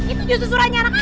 itu susurannya anak anak